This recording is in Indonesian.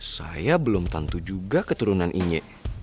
saya belum tentu juga keturunan ini